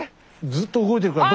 ずっと動いてるから。